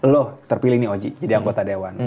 loh terpilih nih oji jadi anggota dewan